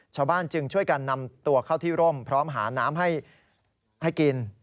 ชาวบ้านจึงช่วยกันนำตัวเข้าที่ร่มพร้อมหาน้ำให้กิน